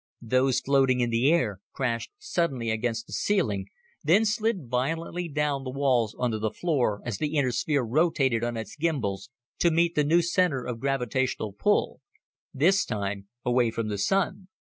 Those floating in the air crashed suddenly against the ceiling, then slid violently down the walls onto the floor as the inner sphere rotated on its gymbals to meet the new center of gravitational pull this time away from the Sun.